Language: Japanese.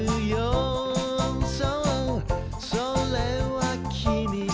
「それはきみさ」